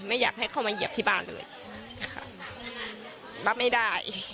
ไม่อยากให้เข้ามาเหยียบที่บ้านเลยค่ะรับไม่ได้